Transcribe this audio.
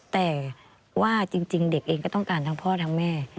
แต่ว่าจริงเด็กเองก็ต้องการทั้งพ่อทั้งแม่